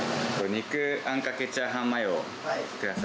肉あんかけチャーハンマヨく